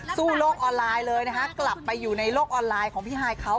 โลกออนไลน์เลยนะฮะกลับไปอยู่ในโลกออนไลน์ของพี่ฮายเขา